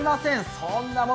そんなもの